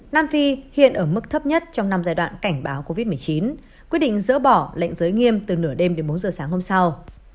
nam phi hiện ở mức thấp nhất trong năm giai đoạn cảnh báo covid một mươi chín quyết định dỡ bỏ lệnh giới nghiêm từ nửa đêm đến bốn giờ sáng hôm sau